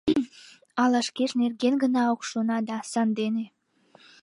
Ала шкеж нерген гына ок шона да — сандене».